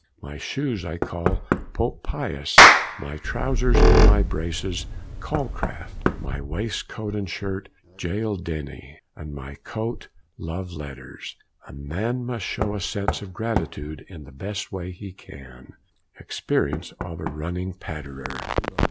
My shoes I call Pope Pius; my trowsers" and braces, Calcraft; my waistcoat and shirt, Jael Denny; and my coat, Love Letters. A man must show a sense of gratitude in the best way he can. EXPERIENCE OF A RUNNING PATTERER.